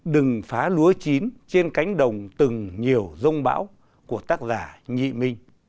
đừng phá lúa chín trên cánh đồng từng nhiều rông bão của tác giả nhị minh